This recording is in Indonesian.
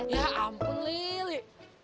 ya ampun li